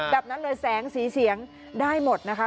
แบบนั้นเลยแสงสีเสียงได้หมดนะคะ